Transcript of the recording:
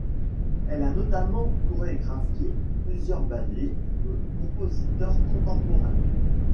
Elle a notamment chorégraphié plusieurs ballets de compositeurs contemporains.